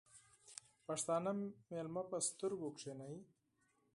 پښتانه مېلمه په سترگو کېنوي.